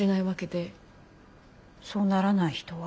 そうならない人は？